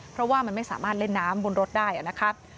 เพราะว่ามันไม่สามารถเล่นน้ำบนรถได้นะครับ